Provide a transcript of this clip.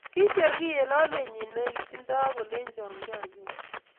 Kicher kiy eng lolenyi nekitindoi akolecho kianyoru